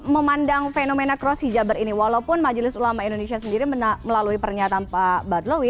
memandang fenomena cross hijaber ini walaupun majelis ulama indonesia sendiri melalui pernyataan pak badlowi